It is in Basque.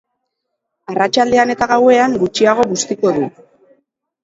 Arratsaldean eta gauean gutxiago bustiko du.